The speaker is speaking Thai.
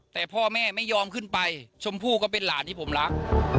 แต่พ่อแม่ไม่ยอมขึ้นไปชมพู่ก็เป็นหลานที่ผมรัก